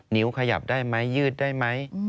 นิ้วขยับได้ไหมยืดได้ไหม